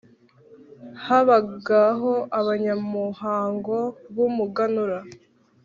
habagaho abanyamuhango b’umuganura,